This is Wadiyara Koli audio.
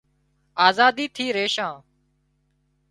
آزادي ٿي ريشان